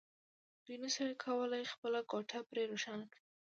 دوی نشوای کولای خپله کوټه پرې روښانه کړي